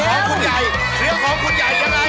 ของคุณใหญ่เสียงของคุณใหญ่ยังไง